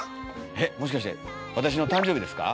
えっもしかして私の誕生日ですか？